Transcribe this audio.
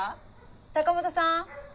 坂本さん？